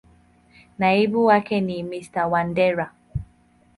Naibu wake ni Mr.Wandera.